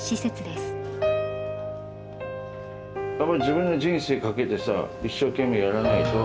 やっぱり自分の人生かけてさ一生懸命やらないと。